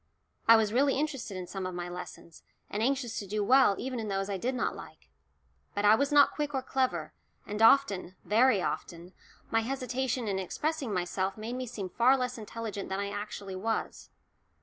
I was really interested in some of my lessons, and anxious to do well even in those I did not like. But I was not quick or clever, and often, very often, my hesitation in expressing myself made me seem far less intelligent than I actually was.